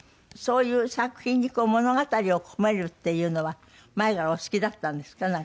そういう作品に物語を込めるっていうのは前からお好きだったんですか？